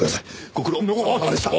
ご苦労さまでした。